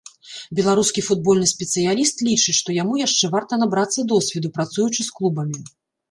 Беларускі футбольны спецыяліст лічыць, што яму яшчэ варта набрацца досведу, працуючы з клубамі.